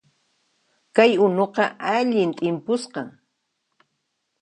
Kay unuqa allin t'impusqan